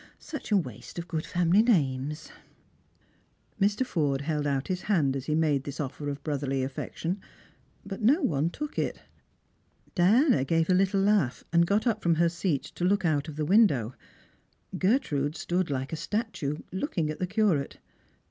Such a waste of good family names !" Mr. Forde held out his hand as he made this offer of brotherly affection, but no one took it. Diana gave a little laugh, and Sot up from her seat to look out of the window. Gertrude stood ke a statue, looking at the Curate.